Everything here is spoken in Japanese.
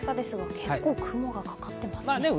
結構、雲がかかってますね。